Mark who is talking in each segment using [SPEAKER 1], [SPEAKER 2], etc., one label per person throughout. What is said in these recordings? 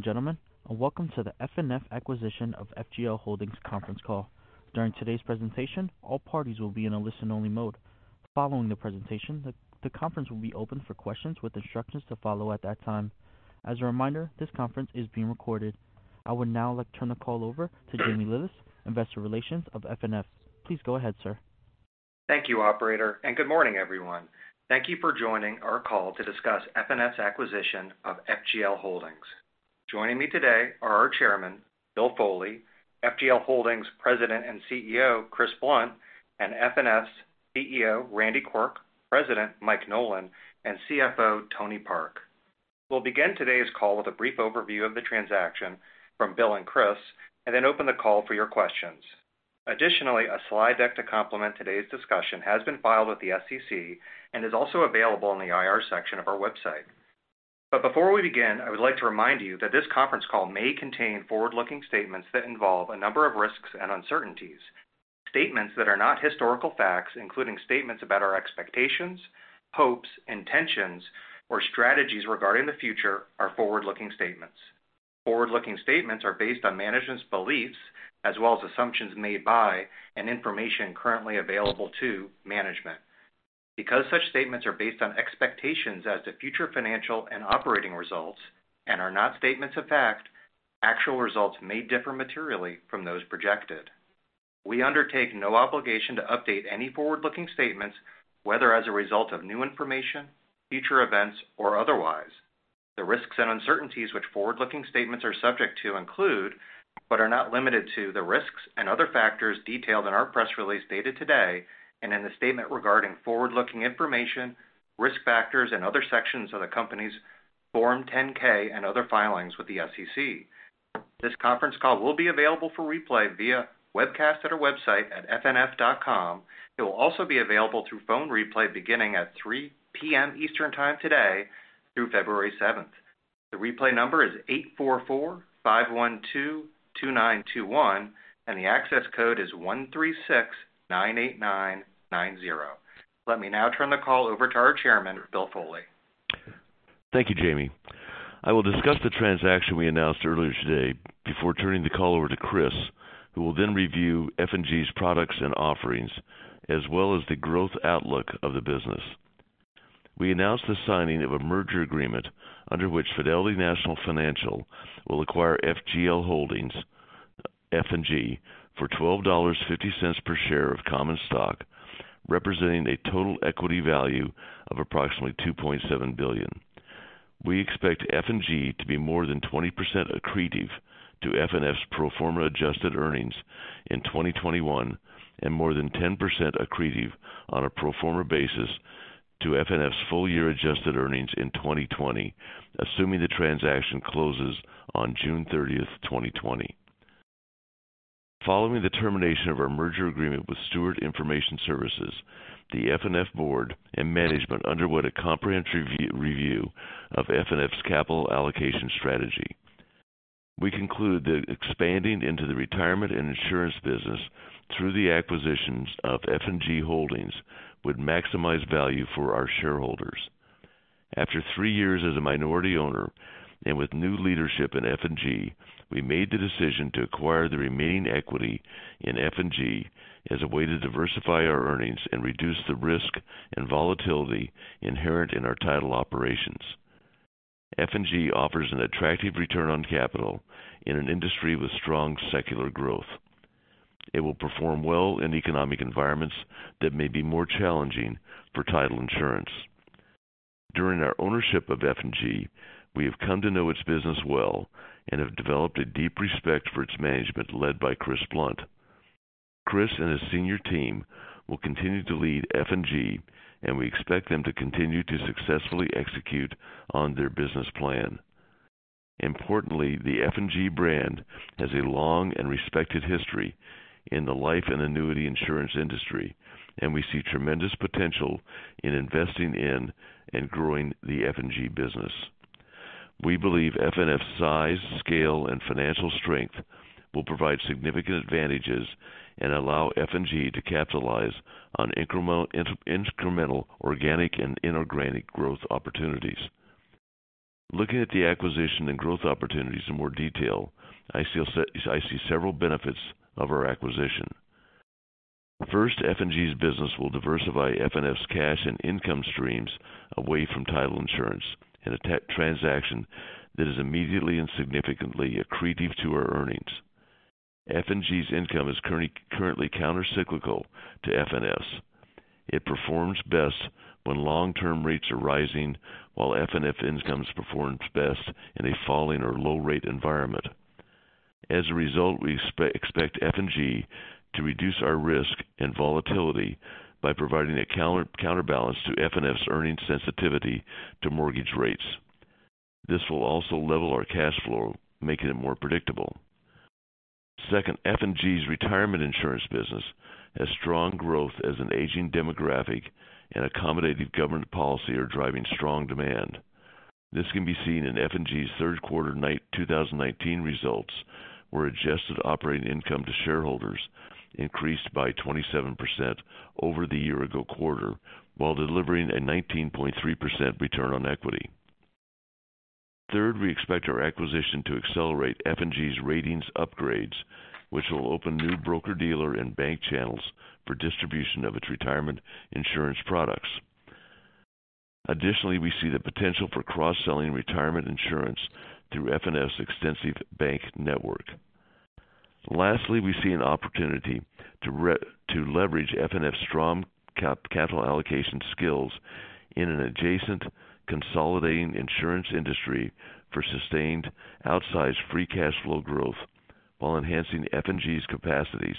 [SPEAKER 1] Gentlemen, welcome to the FNF Acquisition of FGL Holdings conference call. During today's presentation, all parties will be in a listen-only mode. Following the presentation, the conference will be open for questions with instructions to follow at that time. As a reminder, this conference is being recorded. I would now like to turn the call over to Jamie Lewis, Investor Relations of FNF. Please go ahead, sir.
[SPEAKER 2] Thank you, Operator, and good morning, everyone. Thank you for joining our call to discuss FNF's acquisition of FGL Holdings. Joining me today are our Chairman, Bill Foley, FGL Holdings President and CEO, Chris Blunt, and FNF's CEO, Randy Quirk, President, Mike Nolan, and CFO, Tony Park. We'll begin today's call with a brief overview of the transaction from Bill and Chris, and then open the call for your questions. Additionally, a slide deck to complement today's discussion has been filed with the SEC and is also available in the IR section of our website. But before we begin, I would like to remind you that this conference call may contain forward-looking statements that involve a number of risks and uncertainties. Statements that are not historical facts, including statements about our expectations, hopes, intentions, or strategies regarding the future, are forward-looking statements. Forward-looking statements are based on management's beliefs as well as assumptions made by and information currently available to management. Because such statements are based on expectations as to future financial and operating results and are not statements of fact, actual results may differ materially from those projected. We undertake no obligation to update any forward-looking statements, whether as a result of new information, future events, or otherwise. The risks and uncertainties which forward-looking statements are subject to include, but are not limited to, the risks and other factors detailed in our press release dated today and in the statement regarding forward-looking information, risk factors, and other sections of the company's Form 10-K and other filings with the SEC. This conference call will be available for replay via webcast at our website at fnf.com. It will also be available through phone replay beginning at 3:00 P.M. Eastern Time today through February 7th. The replay number is 844-512-2921, and the access code is 136-989-90. Let me now turn the call over to our Chairman, Bill Foley.
[SPEAKER 3] Thank you, Jamie. I will discuss the transaction we announced earlier today before turning the call over to Chris, who will then review F&G's products and offerings as well as the growth outlook of the business. We announced the signing of a merger agreement under which Fidelity National Financial will acquire FGL Holdings, F&G for $12.50 per share of common stock, representing a total equity value of approximately $2.7 billion. We expect F&G to be more than 20% accretive to FNF's pro forma adjusted earnings in 2021 and more than 10% accretive on a pro forma basis to FNF's full-year adjusted earnings in 2020, assuming the transaction closes on June 30th, 2020. Following the termination of our merger agreement with Stewart Information Services, the FNF board and management underwent a comprehensive review of FNF's capital allocation strategy. We conclude that expanding into the retirement and insurance business through the acquisitions of F&G Holdings would maximize value for our shareholders. After three years as a minority owner and with new leadership in F&G, we made the decision to acquire the remaining equity in F&G as a way to diversify our earnings and reduce the risk and volatility inherent in our title operations. F&G offers an attractive return on capital in an industry with strong secular growth. It will perform well in economic environments that may be more challenging for title insurance. During our ownership of F&G, we have come to know its business well and have developed a deep respect for its management led by Chris Blunt. Chris and his senior team will continue to lead F&G, and we expect them to continue to successfully execute on their business plan. Importantly, the F&G brand has a long and respected history in the life and annuity insurance industry, and we see tremendous potential in investing in and growing the F&G business. We believe FNF's size, scale, and financial strength will provide significant advantages and allow F&G to capitalize on incremental organic and inorganic growth opportunities. Looking at the acquisition and growth opportunities in more detail, I see several benefits of our acquisition. First, F&G's business will diversify FNF's cash and income streams away from title insurance in a transaction that is immediately and significantly accretive to our earnings. F&G's income is currently countercyclical to FNF. It performs best when long-term rates are rising, while FNF incomes perform best in a falling or low-rate environment. As a result, we expect F&G to reduce our risk and volatility by providing a counterbalance to FNF's earnings sensitivity to mortgage rates. This will also level our cash flow, making it more predictable. Second, F&G's retirement insurance business has strong growth as an aging demographic, and accommodative government policy is driving strong demand. This can be seen in F&G's third quarter-end 2019 results, where adjusted operating income to shareholders increased by 27% over the year-ago quarter, while delivering a 19.3% return on equity. Third, we expect our acquisition to accelerate F&G's ratings upgrades, which will open new broker-dealer and bank channels for distribution of its retirement insurance products. Additionally, we see the potential for cross-selling retirement insurance through FNF's extensive bank network. Lastly, we see an opportunity to leverage FNF's strong capital allocation skills in an adjacent consolidating insurance industry for sustained outsized free cash flow growth, while enhancing F&G's capacities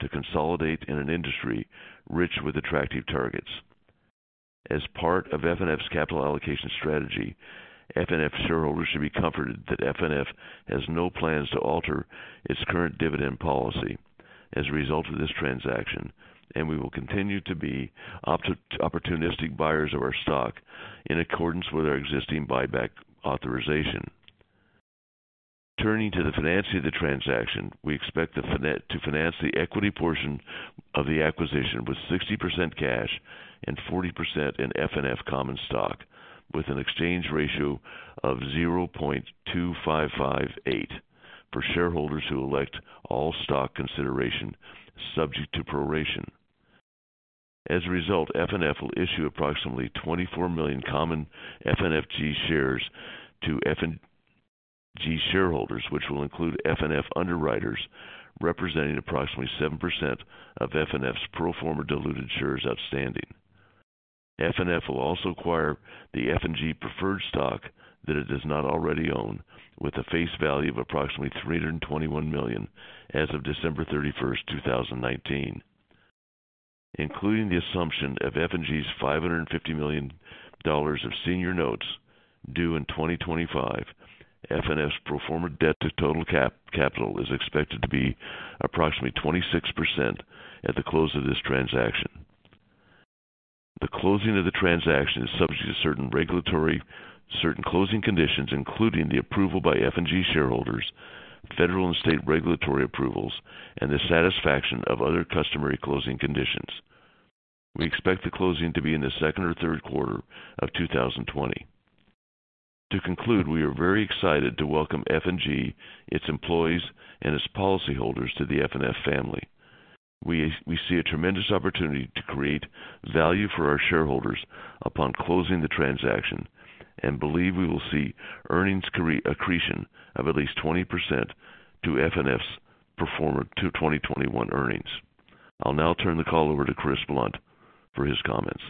[SPEAKER 3] to consolidate in an industry rich with attractive targets. As part of FNF's capital allocation strategy, FNF shareholders should be comforted that FNF has no plans to alter its current dividend policy as a result of this transaction, and we will continue to be opportunistic buyers of our stock in accordance with our existing buyback authorization. Returning to the financing of the transaction, we expect to finance the equity portion of the acquisition with 60% cash and 40% in FNF common stock, with an exchange ratio of 0.2558 for shareholders who elect all stock consideration subject to proration. As a result, FNF will issue approximately 24 million common FNF shares to F&G shareholders, which will include F&G underwriters representing approximately 7% of FNF's pro forma diluted shares outstanding. FNF will also acquire the F&G preferred stock that it does not already own, with a face value of approximately $321 million as of December 31st, 2019. Including the assumption of F&G's $550 million of senior notes due in 2025, FNF's pro forma debt to total capital is expected to be approximately 26% at the close of this transaction. The closing of the transaction is subject to certain closing conditions, including the approval by F&G shareholders, federal and state regulatory approvals, and the satisfaction of other customary closing conditions. We expect the closing to be in the second or third quarter of 2020. To conclude, we are very excited to welcome F&G, its employees, and its policyholders to the FNF family. We see a tremendous opportunity to create value for our shareholders upon closing the transaction and believe we will see earnings accretion of at least 20% to FNF's pro forma 2021 earnings. I'll now turn the call over to Chris Blunt for his comments.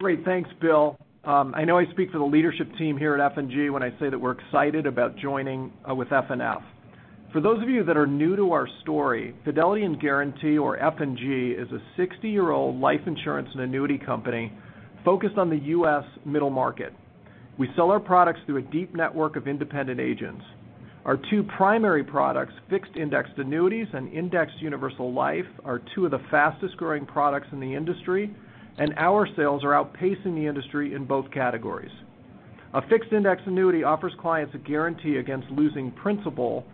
[SPEAKER 4] Great. Thanks, Bill. I know I speak for the leadership team here at F&G when I say that we're excited about joining with FNF. For those of you that are new to our story, Fidelity & Guaranty, or F&G, is a 60-year-old life insurance and annuity company focused on the U.S. middle market. We sell our products through a deep network of independent agents. Our two primary products, fixed indexed annuities and indexed universal life, are two of the fastest-growing products in the industry, and our sales are outpacing the industry in both categories. A fixed index annuity offers clients a guarantee against losing principal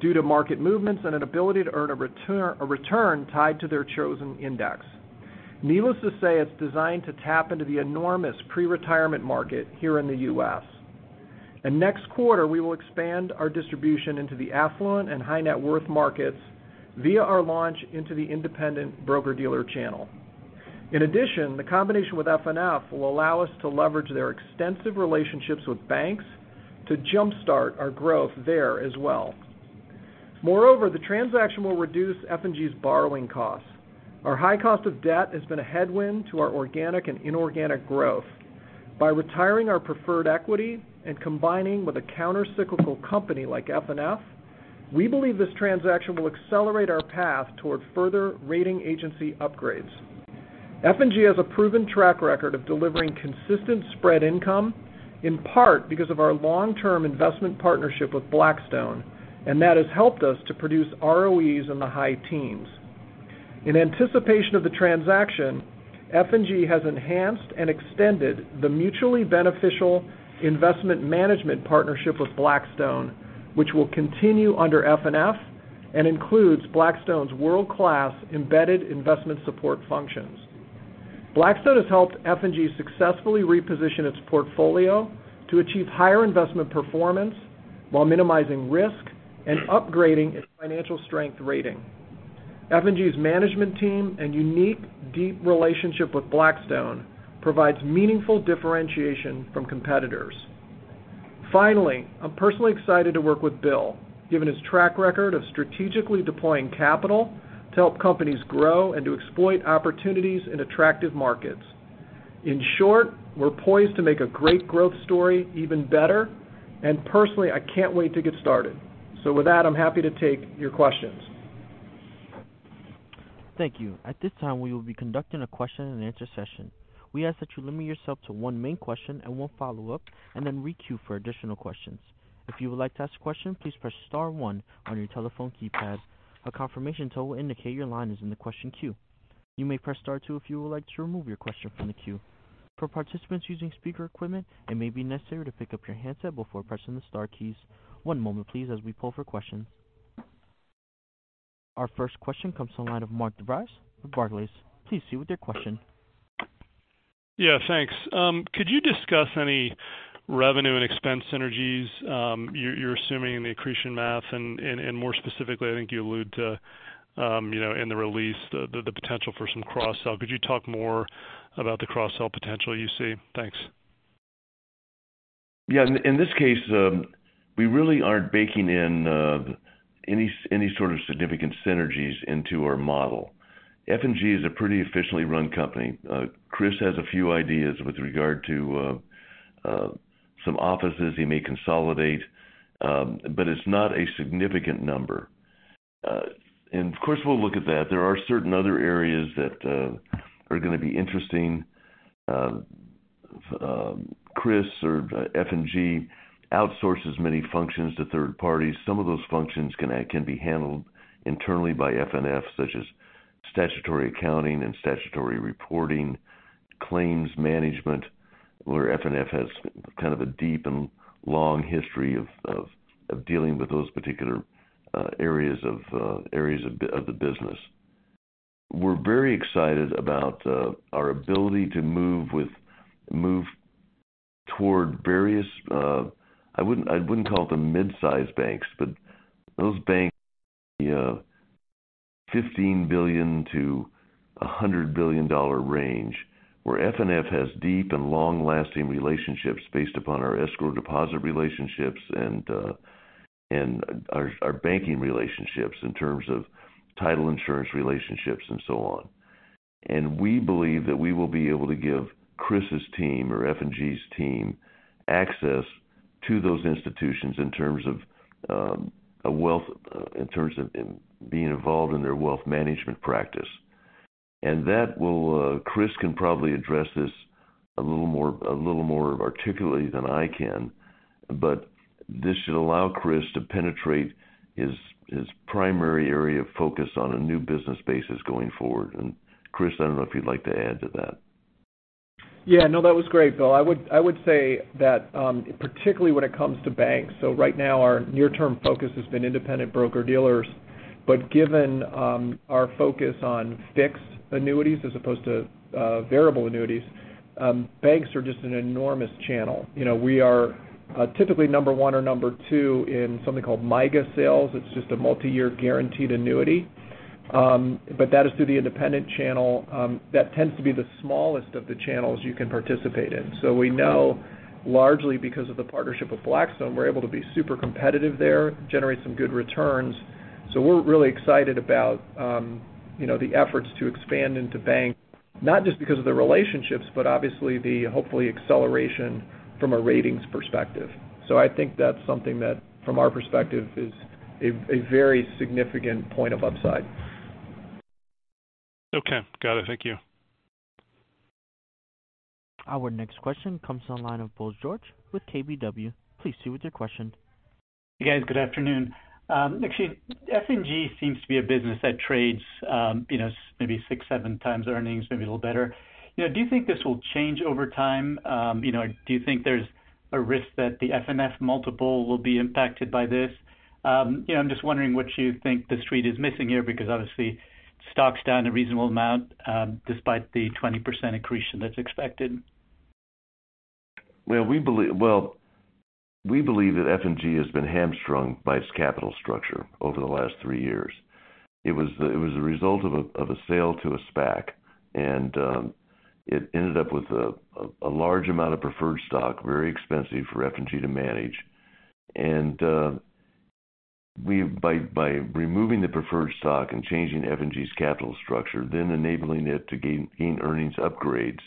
[SPEAKER 4] due to market movements and an ability to earn a return tied to their chosen index. Needless to say, it's designed to tap into the enormous pre-retirement market here in the U.S. Next quarter, we will expand our distribution into the affluent and high-net-worth markets via our launch into the independent broker-dealer channel. In addition, the combination with FNF will allow us to leverage their extensive relationships with banks to jump-start our growth there as well. Moreover, the transaction will reduce F&G's borrowing costs. Our high cost of debt has been a headwind to our organic and inorganic growth. By retiring our preferred equity and combining with a countercyclical company like FNF, we believe this transaction will accelerate our path toward further rating agency upgrades. F&G has a proven track record of delivering consistent spread income, in part because of our long-term investment partnership with Blackstone, and that has helped us to produce ROEs in the high teens. In anticipation of the transaction, F&G has enhanced and extended the mutually beneficial investment management partnership with Blackstone, which will continue under FNF and includes Blackstone's world-class embedded investment support functions. Blackstone has helped F&G successfully reposition its portfolio to achieve higher investment performance while minimizing risk and upgrading its financial strength rating. F&G's management team and unique deep relationship with Blackstone provides meaningful differentiation from competitors. Finally, I'm personally excited to work with Bill, given his track record of strategically deploying capital to help companies grow and to exploit opportunities in attractive markets. In short, we're poised to make a great growth story even better, and personally, I can't wait to get started. So with that, I'm happy to take your questions.
[SPEAKER 1] Thank you. At this time, we will be conducting a question-and-answer session. We ask that you limit yourself to one main question and one follow-up, and then re-queue for additional questions. If you would like to ask a question, please press star 1 on your telephone keypad. A confirmation tone will indicate your line is in the question queue. You may press star 2 if you would like to remove your question from the queue. For participants using speaker equipment, it may be necessary to pick up your handset before pressing the star keys. One moment, please, as we poll for questions. Our first question comes from the line of Mark DeVries with Barclays. Please proceed with your question.
[SPEAKER 5] Yeah, thanks. Could you discuss any revenue and expense synergies you're assuming in the accretion math? And more specifically, I think you alluded to in the release the potential for some cross-sell. Could you talk more about the cross-sell potential you see? Thanks.
[SPEAKER 3] Yeah. In this case, we really aren't baking in any sort of significant synergies into our model. F&G is a pretty efficiently run company. Chris has a few ideas with regard to some offices he may consolidate, but it's not a significant number, and of course, we'll look at that. There are certain other areas that are going to be interesting. Chris, or F&G, outsources many functions to third parties. Some of those functions can be handled internally by FNF, such as statutory accounting and statutory reporting, claims management, where FNF has kind of a deep and long history of dealing with those particular areas of the business. We're very excited about our ability to move toward various - I wouldn't call them mid-size banks, but those banks in the $15 billion-$100 billion range, where FNF has deep and long-lasting relationships based upon our escrow deposit relationships and our banking relationships in terms of title insurance relationships and so on. And we believe that we will be able to give Chris's team, or F&G's team, access to those institutions in terms of being involved in their wealth management practice. And Chris can probably address this a little more articulately than I can, but this should allow Chris to penetrate his primary area of focus on a new business basis going forward. And Chris, I don't know if you'd like to add to that.
[SPEAKER 4] Yeah. No, that was great, Bill. I would say that particularly when it comes to banks, so right now, our near-term focus has been independent broker-dealers, but given our focus on fixed annuities as opposed to variable annuities, banks are just an enormous channel. We are typically number one or number two in something called MYGA sales. It's just a multi-year guaranteed annuity, but that is through the independent channel. That tends to be the smallest of the channels you can participate in. So we know, largely because of the partnership with Blackstone, we're able to be super competitive there, generate some good returns. So we're really excited about the efforts to expand into banks, not just because of the relationships, but obviously the hopefully acceleration from a ratings perspective. So I think that's something that, from our perspective, is a very significant point of upside.
[SPEAKER 5] Okay. Got it. Thank you.
[SPEAKER 1] Our next question comes from the line of Bose George with KBW. Please proceed with your question.
[SPEAKER 6] Hey, guys. Good afternoon. Actually, F&G seems to be a business that trades maybe six, seven times earnings, maybe a little better. Do you think this will change over time? Do you think there's a risk that the FNF multiple will be impacted by this? I'm just wondering what you think the street is missing here because, obviously, stock's down a reasonable amount despite the 20% accretion that's expected.
[SPEAKER 3] We believe that F&G has been hamstrung by its capital structure over the last three years. It was the result of a sale to a SPAC, and it ended up with a large amount of preferred stock, very expensive for F&G to manage. By removing the preferred stock and changing F&G's capital structure, then enabling it to gain earnings upgrades,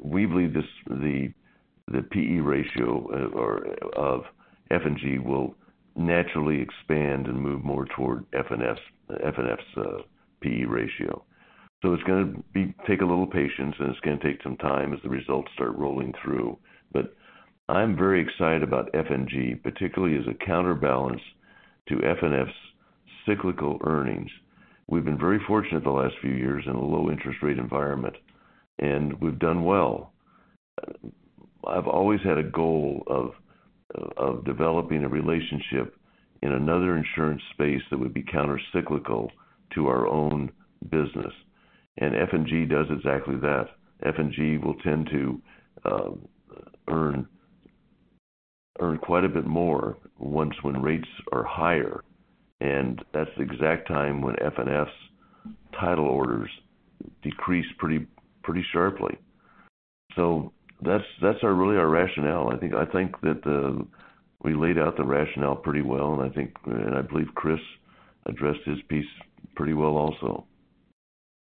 [SPEAKER 3] we believe the P/E ratio of F&G will naturally expand and move more toward FNF's P/E ratio. It's going to take a little patience, and it's going to take some time as the results start rolling through. I'm very excited about F&G, particularly as a counterbalance to FNF's cyclical earnings. We've been very fortunate the last few years in a low-interest rate environment, and we've done well. I've always had a goal of developing a relationship in another insurance space that would be countercyclical to our own business, and F&G does exactly that. F&G will tend to earn quite a bit more once when rates are higher, and that's the exact time when FNF's title orders decrease pretty sharply, so that's really our rationale. I think that we laid out the rationale pretty well, and I believe Chris addressed his piece pretty well also.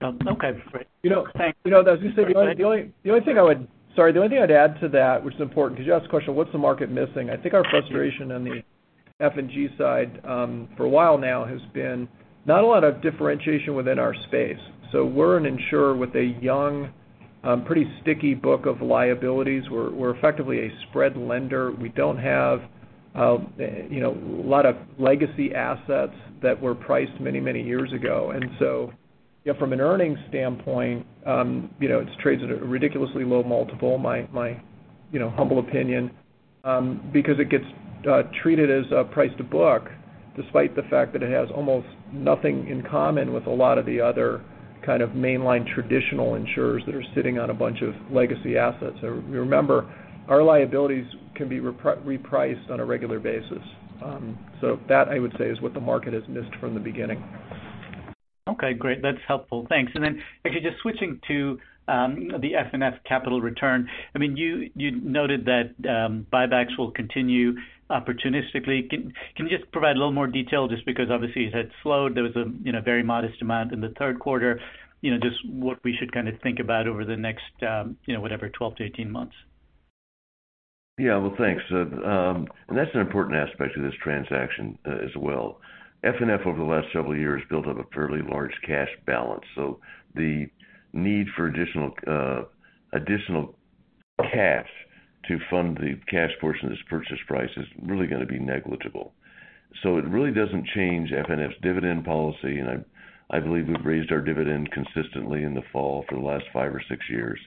[SPEAKER 6] Okay. Thanks.
[SPEAKER 4] As you said, the only thing I would - sorry, the only thing I'd add to that, which is important, because you asked the question, "What's the market missing?" I think our frustration on the F&G side for a while now has been not a lot of differentiation within our space. So we're an insurer with a young, pretty sticky book of liabilities. We're effectively a spread lender. We don't have a lot of legacy assets that were priced many, many years ago. And so from an earnings standpoint, it trades at a ridiculously low multiple, my humble opinion, because it gets treated as a price to book despite the fact that it has almost nothing in common with a lot of the other kind of mainline traditional insurers that are sitting on a bunch of legacy assets. Remember, our liabilities can be repriced on a regular basis. So that, I would say, is what the market has missed from the beginning.
[SPEAKER 6] Okay. Great. That's helpful. Thanks. And then actually, just switching to the FNF capital return, I mean, you noted that buybacks will continue opportunistically. Can you just provide a little more detail just because, obviously, it had slowed? There was a very modest amount in the third quarter. Just what we should kind of think about over the next whatever, 12-18 months?
[SPEAKER 3] Yeah. Well, thanks. And that's an important aspect of this transaction as well. FNF, over the last several years, built up a fairly large cash balance. So the need for additional cash to fund the cash portion of this purchase price is really going to be negligible. So it really doesn't change FNF's dividend policy, and I believe we've raised our dividend consistently in the fall for the last five or six years.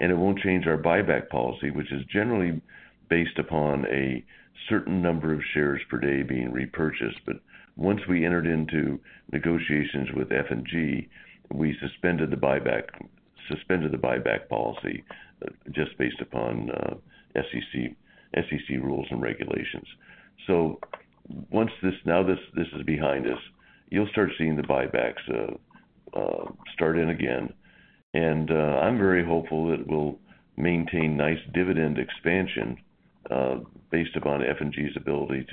[SPEAKER 3] And it won't change our buyback policy, which is generally based upon a certain number of shares per day being repurchased. But once we entered into negotiations with F&G, we suspended the buyback policy just based upon SEC rules and regulations. So now that this is behind us, you'll start seeing the buybacks start in again. I'm very hopeful that we'll maintain nice dividend expansion based upon F&G's ability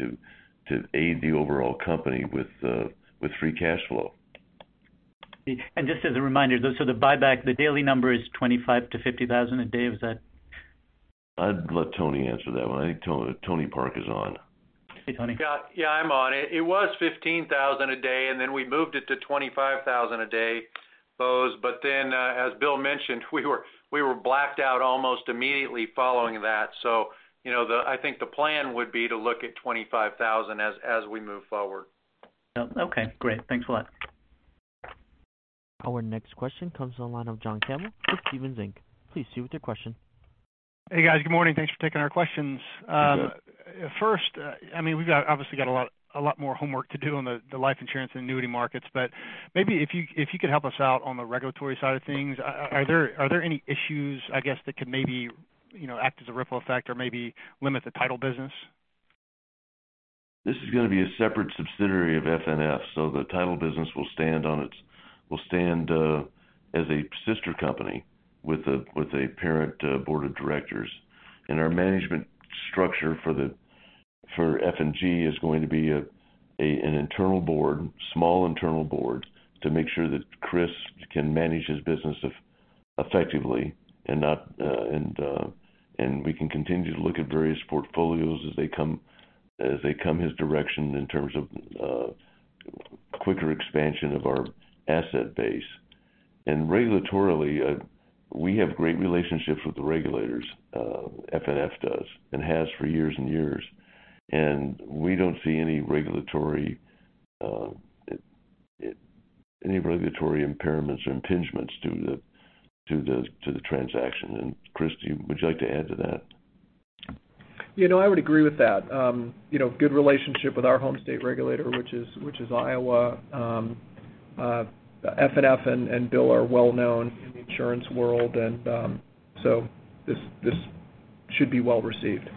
[SPEAKER 3] to aid the overall company with free cash flow.
[SPEAKER 6] And just as a reminder, so the buyback, the daily number is 25-50 thousand a day, was that?
[SPEAKER 3] I'd let Tony answer that one. I think Tony Park is on.
[SPEAKER 6] Hey, Tony.
[SPEAKER 7] Yeah, I'm on it. It was 15,000 a day, and then we moved it to 25,000 a day, Bose. But then, as Bill mentioned, we were blacked out almost immediately following that. So I think the plan would be to look at 25,000 as we move forward.
[SPEAKER 6] Okay. Great. Thanks a lot.
[SPEAKER 1] Our next question comes from the line of John Campbell with Stephens Inc. Please proceed with your question.
[SPEAKER 8] Hey, guys. Good morning. Thanks for taking our questions. First, I mean, we've obviously got a lot more homework to do on the life insurance and annuity markets, but maybe if you could help us out on the regulatory side of things, are there any issues, I guess, that could maybe act as a ripple effect or maybe limit the title business?
[SPEAKER 3] This is going to be a separate subsidiary of FNF, so the title business will stand as a sister company with a parent board of directors. And our management structure for F&G is going to be an internal board, small internal board, to make sure that Chris can manage his business effectively and we can continue to look at various portfolios as they come his direction in terms of quicker expansion of our asset base. And regulatorily, we have great relationships with the regulators, FNF does, and has for years and years. And we don't see any regulatory impairments or impediments to the transaction. And Chris, would you like to add to that?
[SPEAKER 4] I would agree with that. Good relationship with our home state regulator, which is Iowa. FNF and Bill are well-known in the insurance world, and so this should be well received.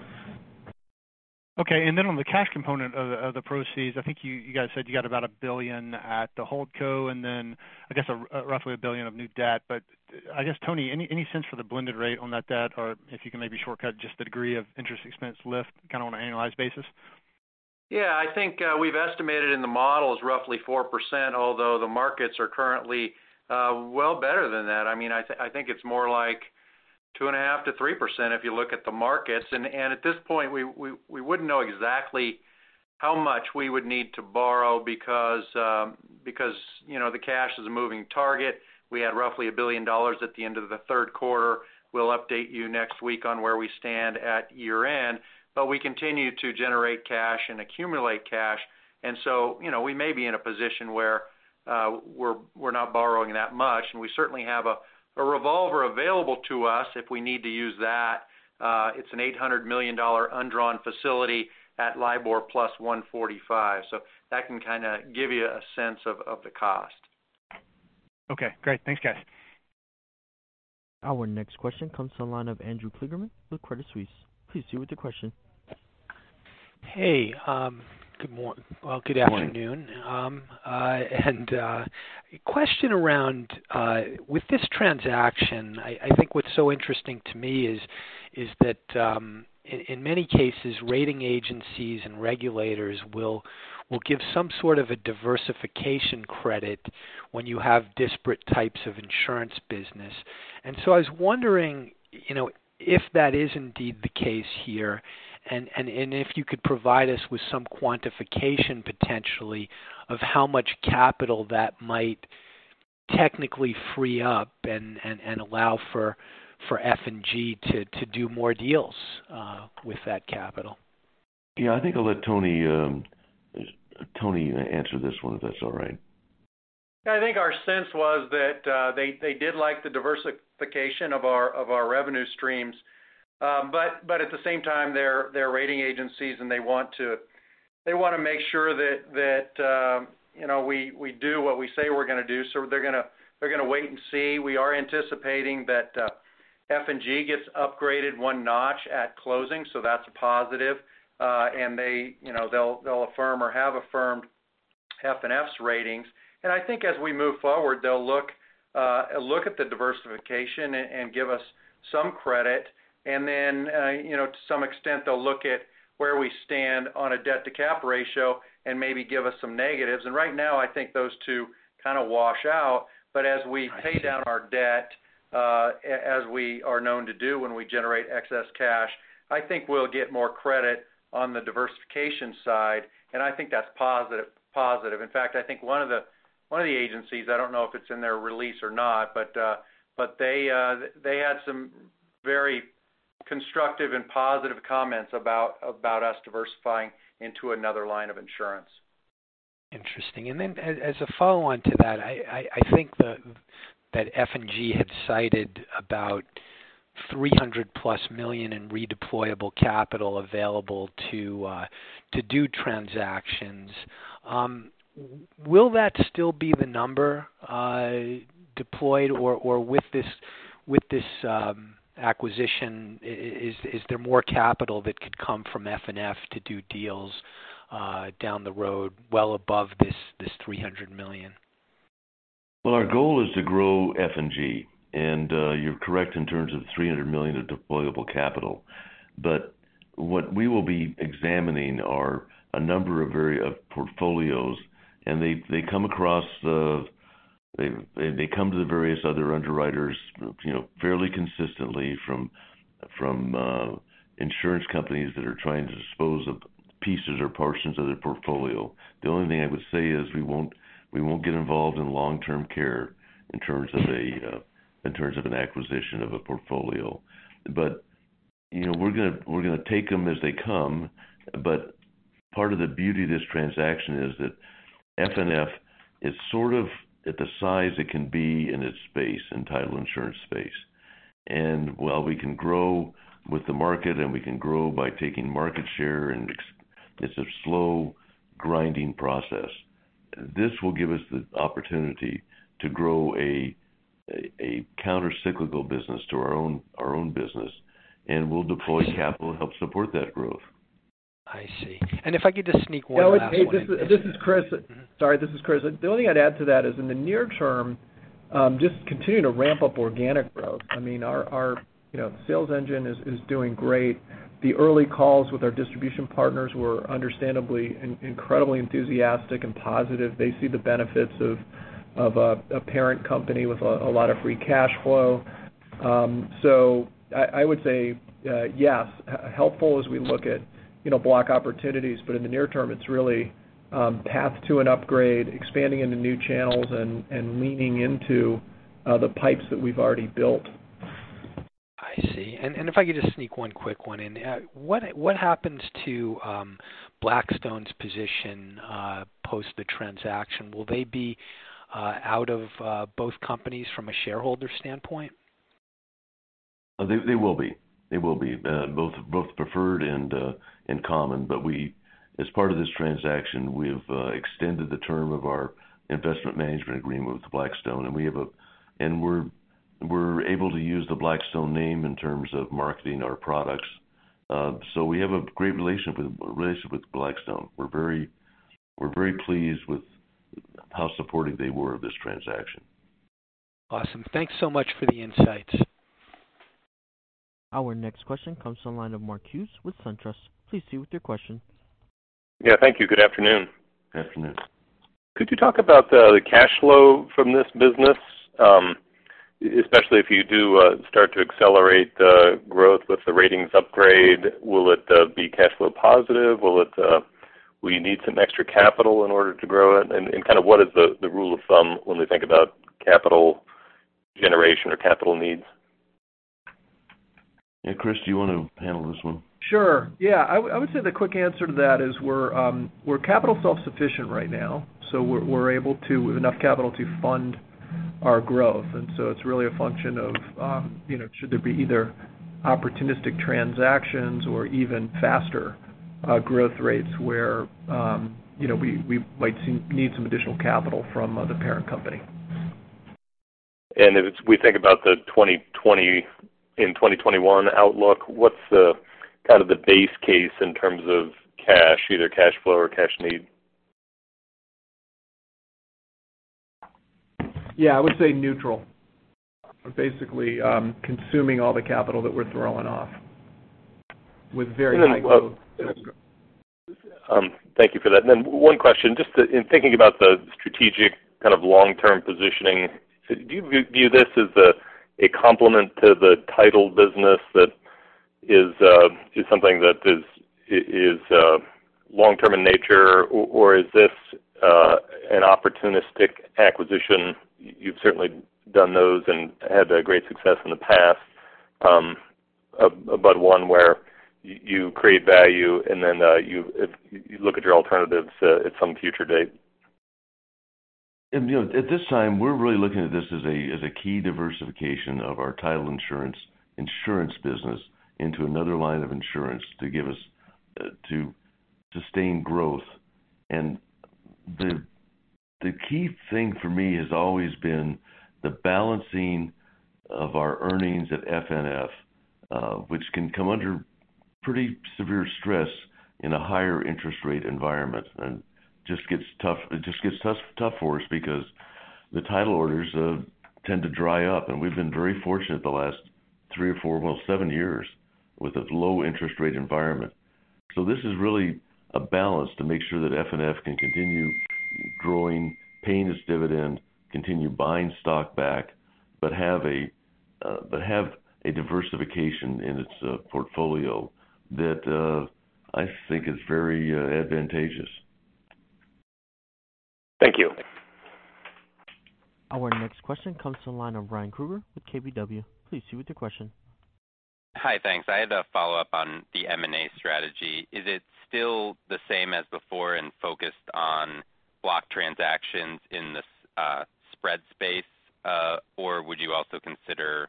[SPEAKER 8] Okay. And then on the cash component of the proceeds, I think you guys said you got about $1 billion at the hold co and then, I guess, roughly $1 billion of new debt. But I guess, Tony, any sense for the blended rate on that debt or if you can maybe shortcut just the degree of interest expense lift kind of on an annualized basis?
[SPEAKER 7] Yeah. I think we've estimated in the models roughly 4%, although the markets are currently well better than that. I mean, I think it's more like 2.5%-3% if you look at the markets. And at this point, we wouldn't know exactly how much we would need to borrow because the cash is a moving target. We had roughly $1 billion at the end of the third quarter. We'll update you next week on where we stand at year-end. But we continue to generate cash and accumulate cash. And so we may be in a position where we're not borrowing that much. And we certainly have a revolver available to us if we need to use that. It's an $800 million undrawn facility at LIBOR plus 145. So that can kind of give you a sense of the cost.
[SPEAKER 8] Okay. Great. Thanks, guys.
[SPEAKER 1] Our next question comes from the line of Andrew Kligerman with Credit Suisse. Please proceed with your question.
[SPEAKER 9] Hey. Good morning, well, good afternoon. And question around with this transaction, I think what's so interesting to me is that in many cases, rating agencies and regulators will give some sort of a diversification credit when you have disparate types of insurance business. And so I was wondering if that is indeed the case here and if you could provide us with some quantification potentially of how much capital that might technically free up and allow for F&G to do more deals with that capital.
[SPEAKER 3] Yeah. I think I'll let Tony answer this one if that's all right?
[SPEAKER 7] I think our sense was that they did like the diversification of our revenue streams. But at the same time, they're rating agencies, and they want to make sure that we do what we say we're going to do. So they're going to wait and see. We are anticipating that F&G gets upgraded one notch at closing, so that's a positive. And they'll affirm or have affirmed FNF's ratings. And I think as we move forward, they'll look at the diversification and give us some credit. And then to some extent, they'll look at where we stand on a debt-to-cap ratio and maybe give us some negatives. And right now, I think those two kind of wash out. But as we pay down our debt, as we are known to do when we generate excess cash, I think we'll get more credit on the diversification side. I think that's positive. In fact, I think one of the agencies, I don't know if it's in their release or not, but they had some very constructive and positive comments about us diversifying into another line of insurance.
[SPEAKER 9] Interesting. And then as a follow-on to that, I think that F&G had cited about $300-plus million in redeployable capital available to do transactions. Will that still be the number deployed? Or with this acquisition, is there more capital that could come from FNF to do deals down the road well above this $300 million?
[SPEAKER 3] Our goal is to grow F&G. You're correct in terms of $300 million of deployable capital. What we will be examining are a number of portfolios. They come to the various other underwriters fairly consistently from insurance companies that are trying to dispose of pieces or portions of their portfolio. The only thing I would say is we won't get involved in long-term care in terms of an acquisition of a portfolio. We're going to take them as they come. Part of the beauty of this transaction is that FNF is sort of at the size it can be in its space, in title insurance space. And while we can grow with the market, and we can grow by taking market share, and it's a slow grinding process, this will give us the opportunity to grow a countercyclical business to our own business. And we'll deploy capital to help support that growth.
[SPEAKER 9] I see. And if I could just sneak one last question.
[SPEAKER 4] Yeah. This is Chris. Sorry, this is Chris. The only thing I'd add to that is in the near term, just continue to ramp up organic growth. I mean, our sales engine is doing great. The early calls with our distribution partners were understandably incredibly enthusiastic and positive. They see the benefits of a parent company with a lot of free cash flow. So I would say, yes, helpful as we look at block opportunities. But in the near term, it's really path to an upgrade, expanding into new channels, and leaning into the pipes that we've already built.
[SPEAKER 9] I see. And if I could just sneak one quick one in. What happens to Blackstone's position post the transaction? Will they be out of both companies from a shareholder standpoint?
[SPEAKER 3] They will be. They will be. Both preferred and common, but as part of this transaction, we've extended the term of our investment management agreement with Blackstone, and we're able to use the Blackstone name in terms of marketing our products, so we have a great relationship with Blackstone. We're very pleased with how supportive they were of this transaction.
[SPEAKER 9] Awesome. Thanks so much for the insights.
[SPEAKER 1] Our next question comes from the line of Mark Hughes with SunTrust. Please proceed with your question.
[SPEAKER 10] Yeah. Thank you. Good afternoon.
[SPEAKER 3] Good afternoon.
[SPEAKER 10] Could you talk about the cash flow from this business, especially if you do start to accelerate the growth with the ratings upgrade? Will it be cash flow positive? Will you need some extra capital in order to grow it? And kind of what is the rule of thumb when we think about capital generation or capital needs?
[SPEAKER 3] Yeah. Chris, do you want to handle this one?
[SPEAKER 4] Sure. Yeah. I would say the quick answer to that is we're capital self-sufficient right now. So we're able to have enough capital to fund our growth. And so it's really a function of should there be either opportunistic transactions or even faster growth rates where we might need some additional capital from the parent company.
[SPEAKER 10] If we think about the 2021 outlook, what's kind of the base case in terms of cash, either cash flow or cash need?
[SPEAKER 4] Yeah. I would say neutral. We're basically consuming all the capital that we're throwing off with very high growth.
[SPEAKER 10] Yeah. Thank you for that. And then one question. Just in thinking about the strategic kind of long-term positioning, do you view this as a complement to the title business that is something that is long-term in nature, or is this an opportunistic acquisition? You've certainly done those and had great success in the past, but one where you create value and then you look at your alternatives at some future date.
[SPEAKER 3] At this time, we're really looking at this as a key diversification of our title insurance business into another line of insurance to sustain growth. And the key thing for me has always been the balancing of our earnings at FNF, which can come under pretty severe stress in a higher interest rate environment. And it just gets tough for us because the title orders tend to dry up. And we've been very fortunate the last three or four, well, seven years with a low interest rate environment. So this is really a balance to make sure that FNF can continue growing, paying its dividend, continue buying stock back, but have a diversification in its portfolio that I think is very advantageous.
[SPEAKER 10] Thank you.
[SPEAKER 1] Our next question comes from the line of Ryan Krueger with KBW. Please proceed with your question.
[SPEAKER 11] Hi. Thanks. I had a follow-up on the M&A strategy. Is it still the same as before and focused on block transactions in the spread space, or would you also consider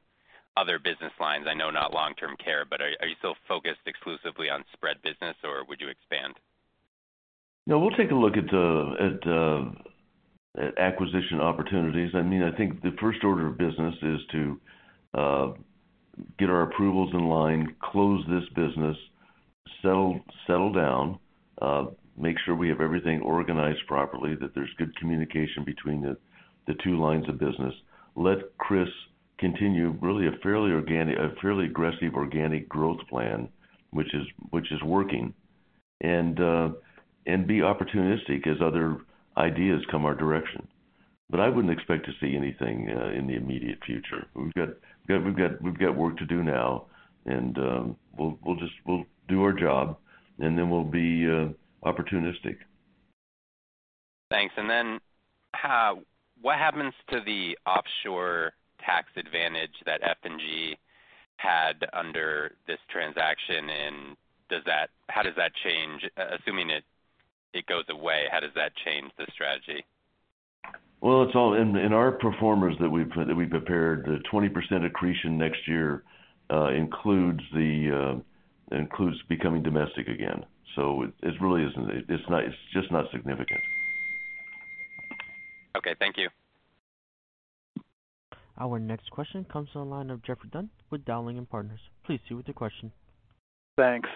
[SPEAKER 11] other business lines? I know not long-term care, but are you still focused exclusively on spread business, or would you expand?
[SPEAKER 3] No. We'll take a look at acquisition opportunities. I mean, I think the first order of business is to get our approvals in line, close this business, settle down, make sure we have everything organized properly, that there's good communication between the two lines of business, let Chris continue really a fairly aggressive organic growth plan, which is working, and be opportunistic as other ideas come our direction. But I wouldn't expect to see anything in the immediate future. We've got work to do now. And we'll do our job, and then we'll be opportunistic.
[SPEAKER 11] Thanks. And then what happens to the offshore tax advantage that F&G had under this transaction? And how does that change? Assuming it goes away, how does that change the strategy?
[SPEAKER 3] It's all in our pro forma that we prepared. The 20% accretion next year includes becoming domestic again. It really isn't. It's just not significant.
[SPEAKER 11] Okay. Thank you.
[SPEAKER 1] Our next question comes from the line of Geoffrey Dunn with Dowling & Partners. Please proceed with your question.
[SPEAKER 12] Thanks.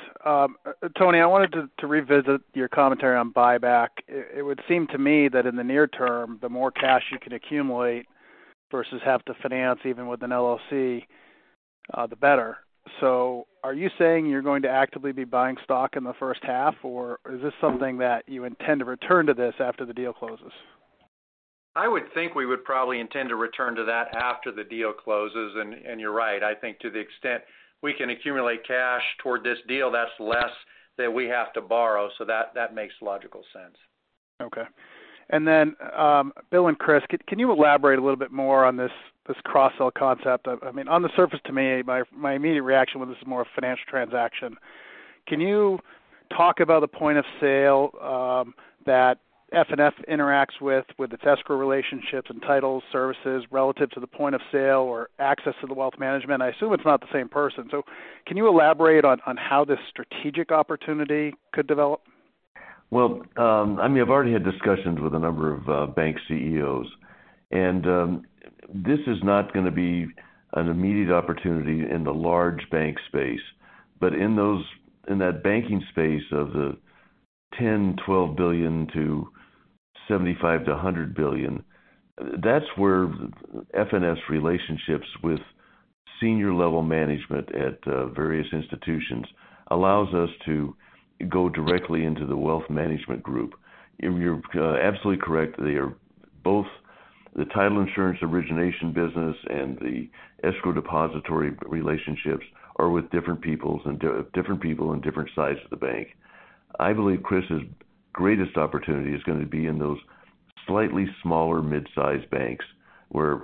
[SPEAKER 12] Tony, I wanted to revisit your commentary on buyback. It would seem to me that in the near term, the more cash you can accumulate versus have to finance even with an LLC, the better. So are you saying you're going to actively be buying stock in the first half, or is this something that you intend to return to this after the deal closes? I would think we would probably intend to return to that after the deal closes. And you're right. I think to the extent we can accumulate cash toward this deal, that's less that we have to borrow. So that makes logical sense. Okay. And then Bill and Chris, can you elaborate a little bit more on this cross-sell concept? I mean, on the surface to me, my immediate reaction with this is more a financial transaction.
[SPEAKER 7] Can you talk about the point of sale that FNF interacts with, with its escrow relationships and title services relative to the point of sale or access to the wealth management? I assume it's not the same person. So can you elaborate on how this strategic opportunity could develop?
[SPEAKER 3] I mean, I've already had discussions with a number of bank CEOs. This is not going to be an immediate opportunity in the large bank space. In that banking space of the $10-$12 billion to $75-$100 billion, that's where FNF's relationships with senior-level management at various institutions allows us to go directly into the wealth management group. You're absolutely correct. Both the title insurance origination business and the escrow depository relationships are with different people in different sides of the bank. I believe Chris's greatest opportunity is going to be in those slightly smaller mid-sized banks where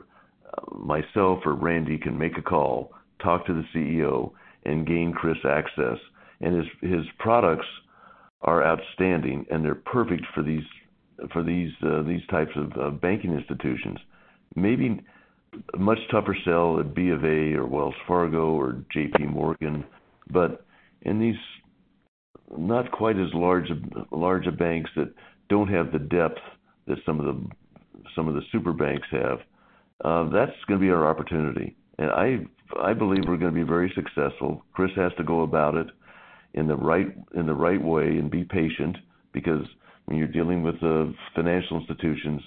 [SPEAKER 3] myself or Randy can make a call, talk to the CEO, and gain Chris access. His products are outstanding, and they're perfect for these types of banking institutions. Maybe a much tougher sell at B of A or Wells Fargo or J.P. Morgan. But in these not quite as large banks that don't have the depth that some of the super banks have, that's going to be our opportunity. And I believe we're going to be very successful. Chris has to go about it in the right way and be patient because when you're dealing with financial institutions,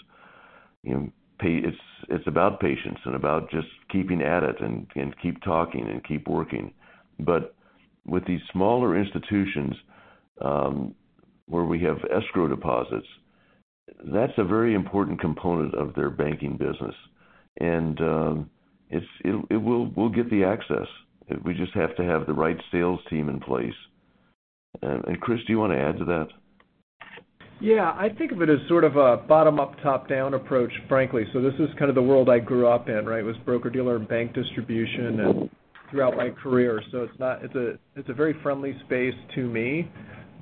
[SPEAKER 3] it's about patience and about just keeping at it and keep talking and keep working. But with these smaller institutions where we have escrow deposits, that's a very important component of their banking business. And we'll get the access. We just have to have the right sales team in place. And Chris, do you want to add to that?
[SPEAKER 4] Yeah. I think of it as sort of a bottom-up, top-down approach, frankly. So this is kind of the world I grew up in, right, was broker-dealer and bank distribution throughout my career. So it's a very friendly space to me.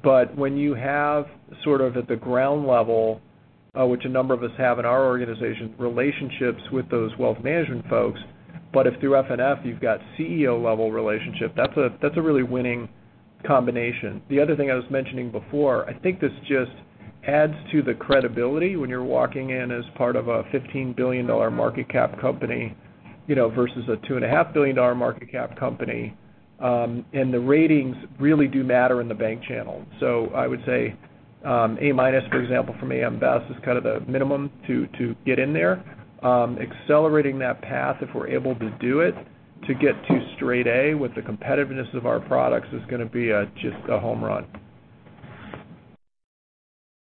[SPEAKER 4] But when you have sort of at the ground level, which a number of us have in our organization, relationships with those wealth management folks, but if through FNF you've got CEO-level relationship, that's a really winning combination. The other thing I was mentioning before, I think this just adds to the credibility when you're walking in as part of a $15 billion market cap company versus a $2.5 billion market cap company. And the ratings really do matter in the bank channel. So I would say A minus, for example, from AM Best is kind of the minimum to get in there. Accelerating that path, if we're able to do it, to get to straight A with the competitiveness of our products is going to be just a home run.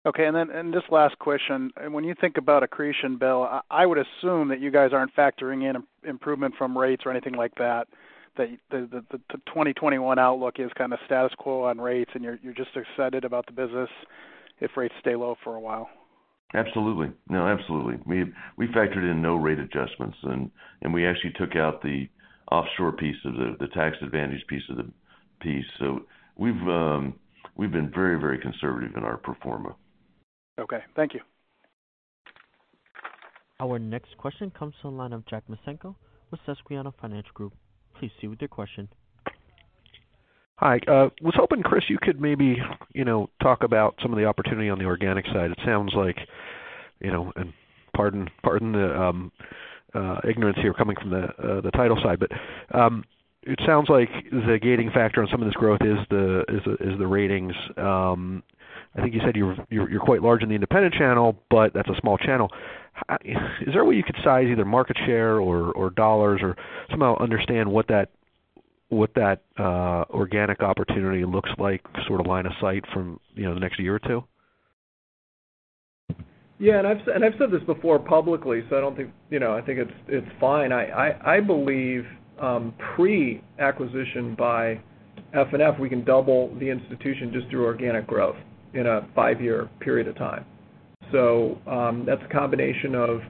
[SPEAKER 7] Okay. And then this last question. When you think about accretion, Bill, I would assume that you guys aren't factoring in improvement from rates or anything like that, that the 2021 outlook is kind of status quo on rates, and you're just excited about the business if rates stay low for a while.
[SPEAKER 3] Absolutely. No, absolutely. We factored in no rate adjustments. And we actually took out the offshore piece of the tax advantage. So we've been very, very conservative in our pro forma.
[SPEAKER 7] Okay. Thank you.
[SPEAKER 1] Our next question comes from the line of Jack Micenko with Susquehanna Financial Group. Please proceed with your question.
[SPEAKER 7] Hi. I was hoping, Chris, you could maybe talk about some of the opportunity on the organic side. It sounds like - and pardon the ignorance here coming from the title side - but it sounds like the gating factor on some of this growth is the ratings. I think you said you're quite large in the independent channel, but that's a small channel. Is there a way you could size either market share or dollars or somehow understand what that organic opportunity looks like, sort of line of sight from the next year or two?
[SPEAKER 4] Yeah. And I've said this before publicly, so I don't think, I think it's fine. I believe pre-acquisition by FNF, we can double the institution just through organic growth in a five-year period of time. So that's a combination of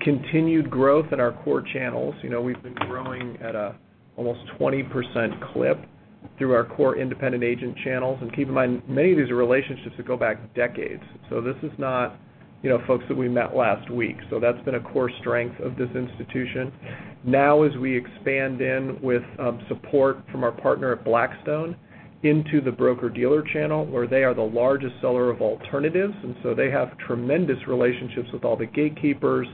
[SPEAKER 4] continued growth in our core channels. We've been growing at an almost 20% clip through our core independent agent channels. And keep in mind, many of these are relationships that go back decades. So this is not folks that we met last week. So that's been a core strength of this institution. Now, as we expand in with support from our partner at Blackstone into the broker-dealer channel, where they are the largest seller of alternatives. And so they have tremendous relationships with all the gatekeepers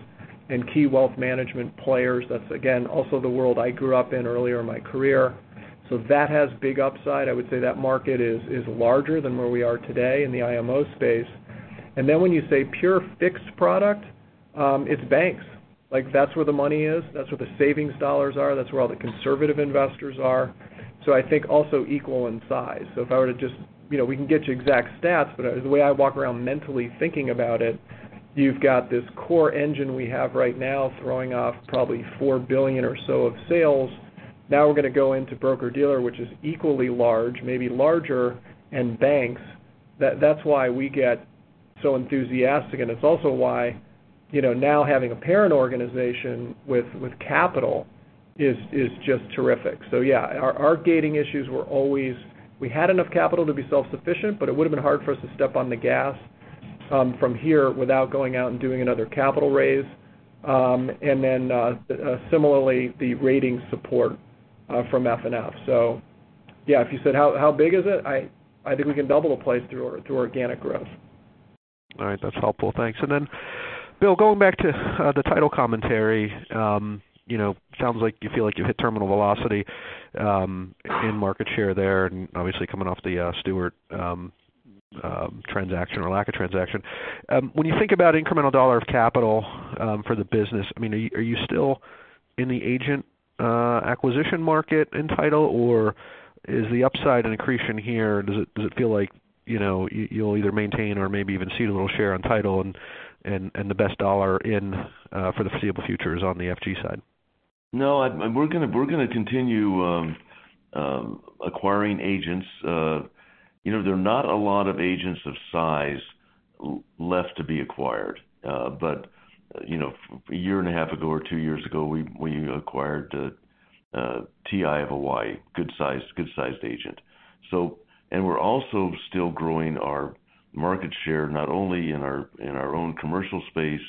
[SPEAKER 4] and key wealth management players. That's, again, also the world I grew up in earlier in my career. So that has big upside. I would say that market is larger than where we are today in the IMO space. And then when you say pure fixed product, it's banks. That's where the money is. That's where the savings dollars are. That's where all the conservative investors are. So I think also equal in size. So if I were to just, we can get you exact stats, but the way I walk around mentally thinking about it, you've got this core engine we have right now throwing off probably four billion or so of sales. Now we're going to go into broker-dealer, which is equally large, maybe larger, and banks. That's why we get so enthusiastic. And it's also why now having a parent organization with capital is just terrific. So yeah, our gating issues were always, we had enough capital to be self-sufficient, but it would have been hard for us to step on the gas from here without going out and doing another capital raise. And then similarly, the rating support from FNF. So yeah, if you said, "How big is it?" I think we can double the place through organic growth.
[SPEAKER 7] All right. That's helpful. Thanks. And then, Bill, going back to the title commentary, it sounds like you feel like you've hit terminal velocity in market share there, and obviously coming off the Stewart transaction or lack of transaction. When you think about incremental dollar of capital for the business, I mean, are you still in the agent acquisition market in title, or is the upside and accretion here, does it feel like you'll either maintain or maybe even see a little share on title and the best dollar in for the foreseeable future is on the F&G side?
[SPEAKER 3] No. We're going to continue acquiring agents. There are not a lot of agents of size left to be acquired. But a year and a half ago or two years ago, we acquired TG of Hawaii, good-sized agent. And we're also still growing our market share not only in our own commercial space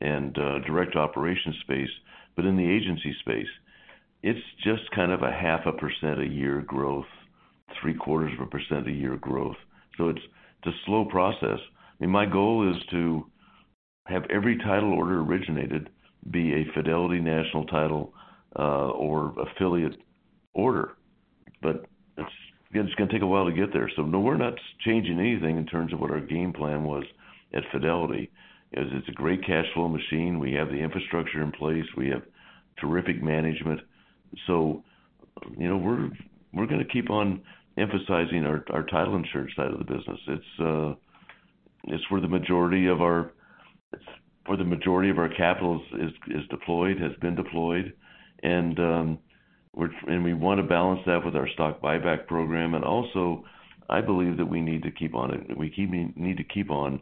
[SPEAKER 3] and direct operations space, but in the agency space. It's just kind of a 0.5% a year growth, 0.75% a year growth. So it's a slow process. I mean, my goal is to have every title order originated be a Fidelity National Title or affiliate order. But it's going to take a while to get there. So no, we're not changing anything in terms of what our game plan was at Fidelity. It's a great cash flow machine. We have the infrastructure in place. We have terrific management. So we're going to keep on emphasizing our title insurance side of the business. It's where the majority of our—it's where the majority of our capital is deployed, has been deployed. And we want to balance that with our stock buyback program. And also, I believe that we need to keep on—we need to keep on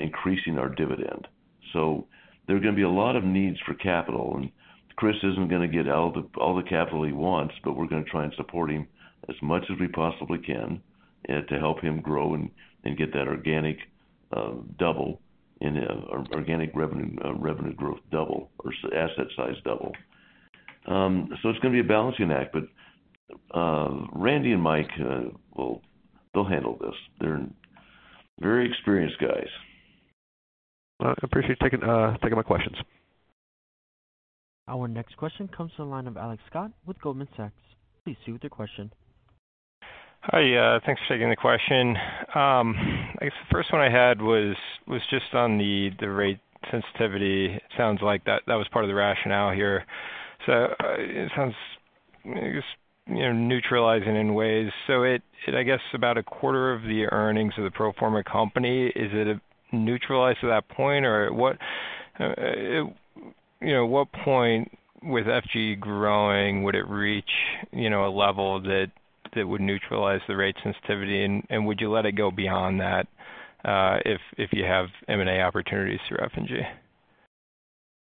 [SPEAKER 3] increasing our dividend. So there are going to be a lot of needs for capital. And Chris isn't going to get all the capital he wants, but we're going to try and support him as much as we possibly can to help him grow and get that organic double in organic revenue growth double or asset size double. So it's going to be a balancing act. But Randy and Mike, they'll handle this. They're very experienced guys.
[SPEAKER 7] I appreciate you taking my questions.
[SPEAKER 1] Our next question comes from the line of Alex Scott with Goldman Sachs. Please proceed with your question.
[SPEAKER 9] Hi. Thanks for taking the question. I guess the first one I had was just on the rate sensitivity. It sounds like that was part of the rationale here. So it sounds neutralizing in ways. So I guess about a quarter of the earnings of the pro forma company, is it neutralized to that point? Or at what point with F&G growing, would it reach a level that would neutralize the rate sensitivity? And would you let it go beyond that if you have M&A opportunities through F&G?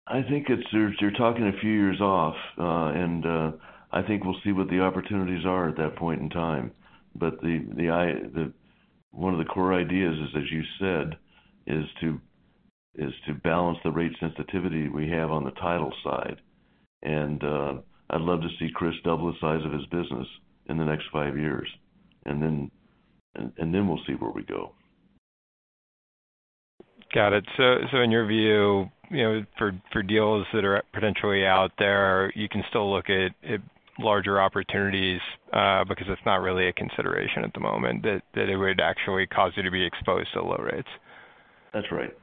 [SPEAKER 3] I think you're talking a few years off, and I think we'll see what the opportunities are at that point in time, but one of the core ideas, as you said, is to balance the rate sensitivity we have on the title side, and I'd love to see Chris double the size of his business in the next five years, and then we'll see where we go.
[SPEAKER 9] Got it. So in your view, for deals that are potentially out there, you can still look at larger opportunities because it's not really a consideration at the moment that it would actually cause you to be exposed to low rates?
[SPEAKER 3] That's right.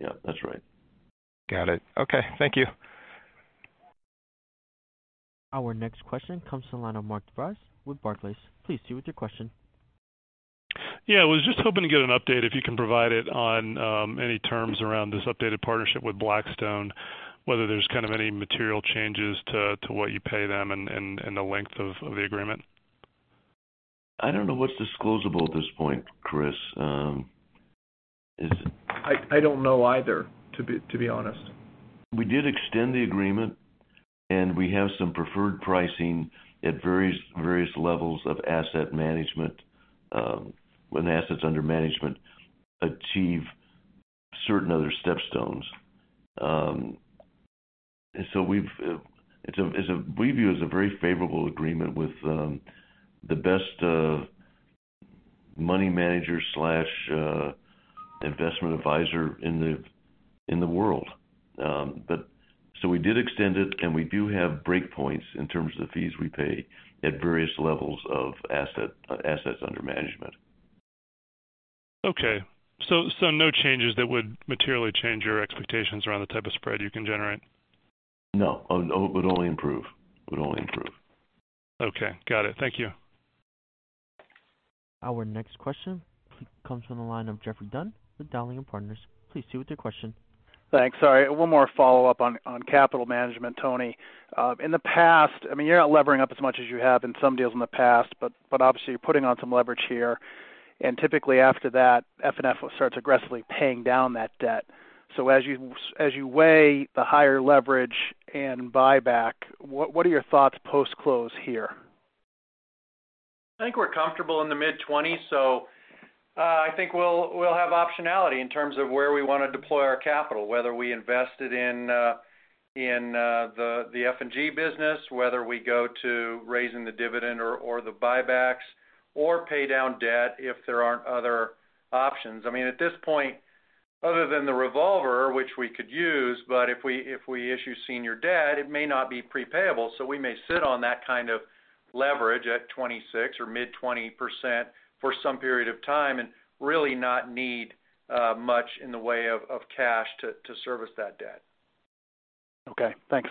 [SPEAKER 3] Yeah. That's right.
[SPEAKER 9] Got it. Okay. Thank you.
[SPEAKER 1] Our next question comes from the line of Mark DeVries with Barclays. Please proceed with your question.
[SPEAKER 5] Yeah. I was just hoping to get an update if you can provide it on any terms around this updated partnership with Blackstone, whether there's kind of any material changes to what you pay them and the length of the agreement.
[SPEAKER 3] I don't know what's disclosable at this point, Chris.
[SPEAKER 4] I don't know either, to be honest.
[SPEAKER 3] We did extend the agreement, and we have some preferred pricing at various levels of asset management when assets under management achieve certain other stepstones. And so we view it as a very favorable agreement with the best money manager/investment advisor in the world. So we did extend it, and we do have breakpoints in terms of the fees we pay at various levels of assets under management.
[SPEAKER 7] Okay. So no changes that would materially change your expectations around the type of spread you can generate?
[SPEAKER 3] No. It would only improve. It would only improve.
[SPEAKER 7] Okay. Got it. Thank you.
[SPEAKER 1] Our next question comes from the line of Geoffrey Dunn with Dowling & Partners. Please proceed with your question.
[SPEAKER 12] Thanks. Sorry. One more follow-up on capital management, Tony. In the past, I mean, you're not levering up as much as you have in some deals in the past, but obviously, you're putting on some leverage here. And typically, after that, FNF starts aggressively paying down that debt. So as you weigh the higher leverage and buyback, what are your thoughts post-close here?
[SPEAKER 2] I think we're comfortable in the mid-20s. So I think we'll have optionality in terms of where we want to deploy our capital, whether we invest it in the F&G business, whether we go to raising the dividend or the buybacks, or pay down debt if there aren't other options. I mean, at this point, other than the revolver, which we could use, but if we issue senior debt, it may not be prepayable. So we may sit on that kind of leverage at 26% or mid-20% for some period of time and really not need much in the way of cash to service that debt.
[SPEAKER 7] Okay. Thanks.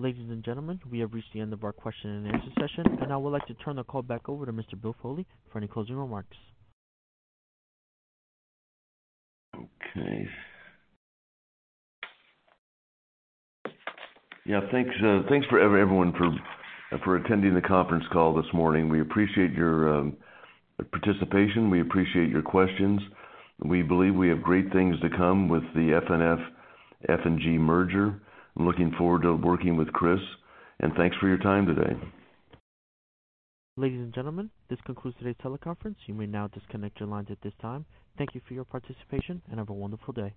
[SPEAKER 1] Ladies and gentlemen, we have reached the end of our question and answer session, and now we'd like to turn the call back over to Mr. Bill Foley for any closing remarks.
[SPEAKER 3] Okay. Yeah. Thanks for everyone for attending the conference call this morning. We appreciate your participation. We appreciate your questions. We believe we have great things to come with the FNF-F&G merger. I'm looking forward to working with Chris, and thanks for your time today.
[SPEAKER 1] Ladies and gentlemen, this concludes today's teleconference. You may now disconnect your lines at this time. Thank you for your participation and have a wonderful day.